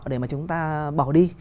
để mà chúng ta bỏ đi